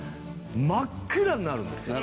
真っ暗になるんですよ夜。